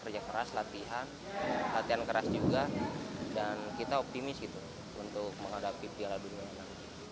kerja keras latihan latihan keras juga dan kita optimis gitu untuk menghadapi piala dunia nanti